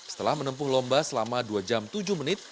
setelah menempuh lomba selama dua jam tujuh menit